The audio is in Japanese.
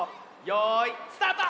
よいスタート！